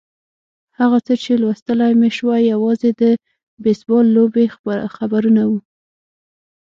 هغه څه چې لوستلای مې شوای یوازې د بېسبال لوبې خبرونه وو.